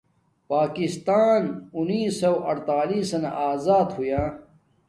پاکستان انیسوہ اڈتلسنا آزد ہویا